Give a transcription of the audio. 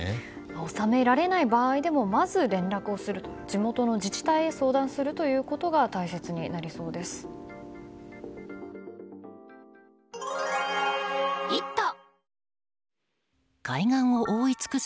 納められない場合でもまず連絡をする地元の自治体へ相談するということが大切になりそうです。